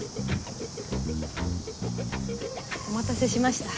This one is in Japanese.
お待たせしました。